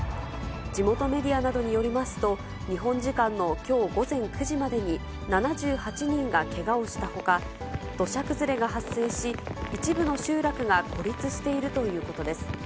地元メディアなどによりますと、日本時間のきょう午前９時までに、７８人がけがをしたほか、土砂崩れが発生し、一部の集落が孤立しているということです。